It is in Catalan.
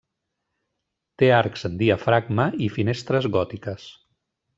Té arcs en diafragma i finestres gòtiques.